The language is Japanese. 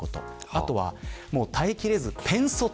あとは耐えきれずペン卒。